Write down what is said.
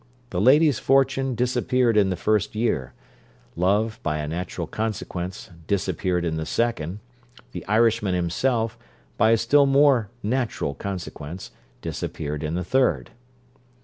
The lady's fortune disappeared in the first year: love, by a natural consequence, disappeared in the second: the Irishman himself, by a still more natural consequence, disappeared in the third.